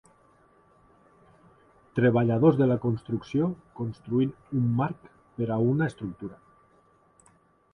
Treballadors de la construcció construint un marc per a una estructura.